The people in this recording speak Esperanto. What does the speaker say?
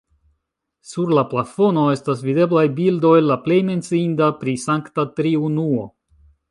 Sur la plafono estas videblaj bildoj, la plej menciinda pri Sankta Triunuo.